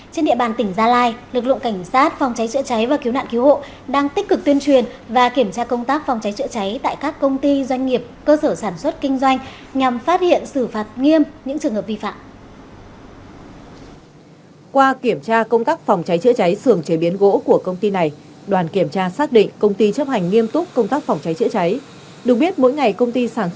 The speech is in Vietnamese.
trên địa bàn tỉnh gia lai lực lượng cảnh sát phòng cháy chữa cháy và cứu nạn cứu hộ đang tích cực tuyên truyền và kiểm tra công tác phòng cháy chữa cháy tại các công ty doanh nghiệp cơ sở sản xuất kinh doanh nhằm phát hiện xử phạt nghiêm những trường hợp vi phạm